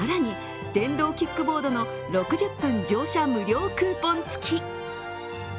更に、電動キックボードの６０分乗車無料クーポン付き。